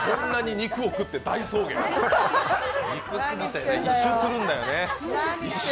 肉すぎて一周するんだよね。